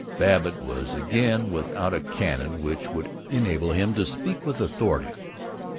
Babbitt was again without a canon which would enable him to speak with authority.